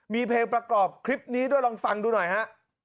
มีเพลงประกอบคลิปนี้ด้วยลองฟังดูหน่อยฮะ